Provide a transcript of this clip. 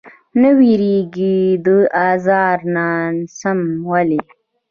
نۀ ويريږي د ازار نه صنم ولې؟